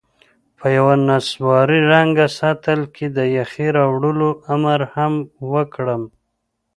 په یوه نسواري رنګه سطل کې د یخې راوړلو امر هم وکړم.